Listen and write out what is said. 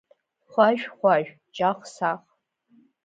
Хәажә-хәажә, ҷах-сах…